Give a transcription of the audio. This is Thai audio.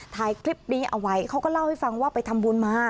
ถ่ายคลิปนี้เอาไว้เขาก็เล่าให้ฟังว่าไปทำบุญมา